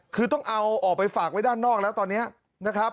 คือต้องเอาออกไปฝากไว้ด้านนอกแล้วตอนนี้นะครับ